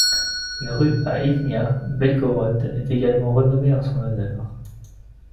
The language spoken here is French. Une rue à Ivnïa, Belgorod est également renommée en son honneur.